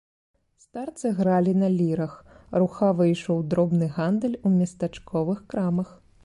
Старцы гралі на лірах, рухава ішоў дробны гандаль у местачковых крамах.